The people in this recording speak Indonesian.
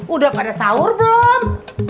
udah pada sahur belum